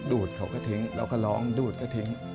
ดเขาก็ทิ้งเราก็ร้องดูดก็ทิ้ง